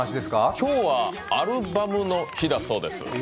今日はアルバムの日だそうです。